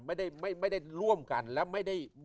ไม่ได้ร่วมกันแล้วไม่ได้